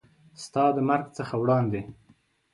ستا د مرګ څخه وړاندې